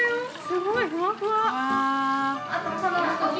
◆すごいふわふわ。